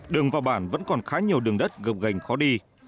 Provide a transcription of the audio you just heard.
đường vào bản vẫn còn khá nhiều đường đất gợc gành khó đi